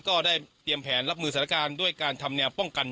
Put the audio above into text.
ก็ได้เตรียมแผนรับมือสถานการณ์ด้วยการทำแนวป้องกัน